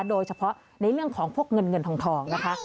โดยเฉพาะในเรื่องของพวกเงินเงินทองนะคะ